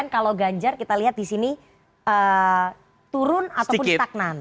kalau ganjar kita lihat disini turun ataupun stagnan